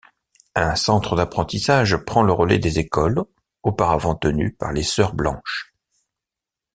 Un centre d'apprentissage prend le relais des écoles auparavant tenues par les Sœurs blanches.